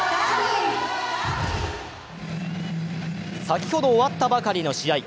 先ほど終わったばかりの試合。